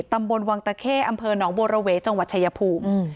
ตำบลวังตะเข้อำเภอหนองบัวระเวจังหวัดชายภูมิ